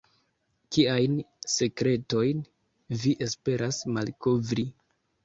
Kiajn sekretojn vi esperas malkovri?